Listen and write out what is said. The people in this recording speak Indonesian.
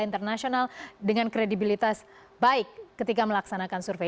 internasional dengan kredibilitas baik ketika melaksanakan survei